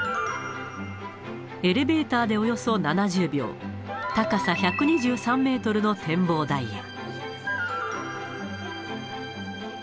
エレベーターでおよそ７０秒、高さ１２３メートルの展望台へ。